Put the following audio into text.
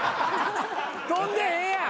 飛んでへんやん。